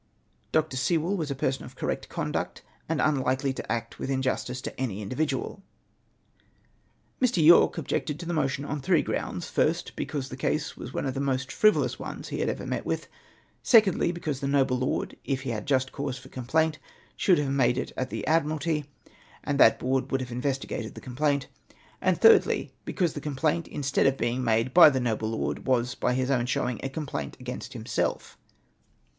Dr. Sewell was a person of correct conduct, and un likely to act with injustice to any individual. Mr. YoiiKE objected to the motion on three grounds : first, because the case was one of the most frivolous ones he had ever met with ; secondly, because the noble lord, if he had just cause for complaint, should have made it at the Ad miralty, and that Board would have investigated the com plaint ; and thirdly, because the complaint, instead of being made by the noble lord, was by his own showing a complaint against himself.